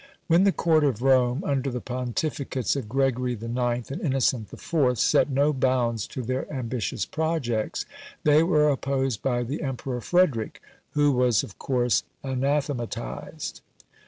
When the court of Rome, under the pontificates of Gregory IX. and Innocent IV., set no bounds to their ambitious projects, they were opposed by the Emperor Frederick; who was of course anathematised.